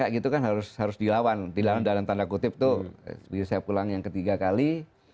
kayak gitu kan harus harus dilawan tidak ada tanda kutip tuh bisa pulang yang ketiga kali